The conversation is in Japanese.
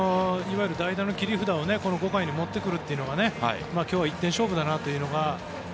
いわゆる代打の切り札を持ってくるというのが今日は１点勝負だなというのが。